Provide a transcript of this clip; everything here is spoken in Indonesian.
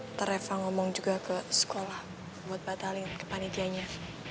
ntar reva ngomong juga ke sekolah buat batalin kepanitianya